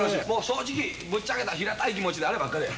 正直ぶっちゃけた平たい気持ちであればっかりや。